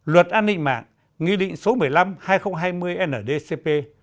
luật an ninh mạng nghị định số một mươi năm hai nghìn hai mươi ndcp